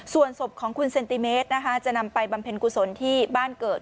ส่วนศพของคุณเซนติเมตรนะคะจะนำไปบำเพ็ญกุศลที่บ้านเกิด